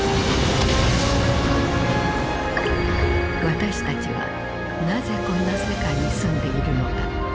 私たちはなぜこんな世界に住んでいるのか。